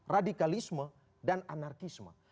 radikalisme dan anarkisme